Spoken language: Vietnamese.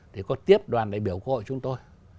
thì có tiếp đoàn đại biểu của chúng tôi